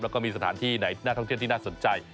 แล้วก็มีสถานที่ไหนน่าท่องเที่ยวที่น่าสนใจ